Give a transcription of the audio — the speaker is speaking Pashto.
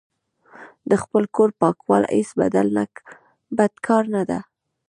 د خپل کور پاکول هیڅ بد کار نه ده.